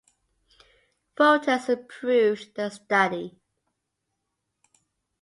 Voters approved the study.